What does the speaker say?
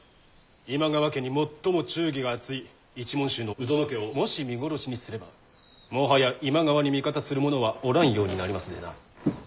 今川家に最も忠義が厚い一門衆の鵜殿家をもし見殺しにすればもはや今川に味方する者はおらんようになりますでな。